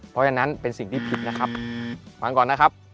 เพราะฉะนั้นเป็นสิ่งที่ผิดนะครับฟังก่อนนะครับ